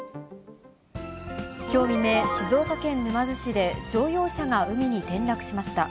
きょう未明、静岡県沼津市で乗用車が海に転落しました。